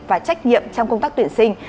và trách nhiệm trong công tác tuyển sinh